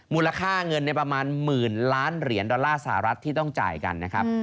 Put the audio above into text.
มูลค่าเงินประมาณหมื่นล้านเหรียญดอลลาร์สหรัฐที่ต้องจ่ายกันนะครับ